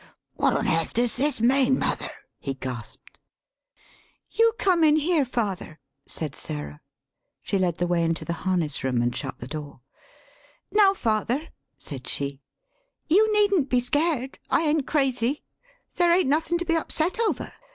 " What on airth does this mean, mother?" [he gasped]. "You come in here, father," [said Sarah. She led the way into the harness room and shut the door]. "Now, father," [said she] "you needn't be scared. I ain't crazy. There ain't nothin' to be upset over.